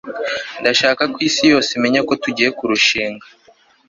ndashaka ko isi yose imenya ko tugiye kurushinga